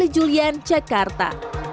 penli julian jakarta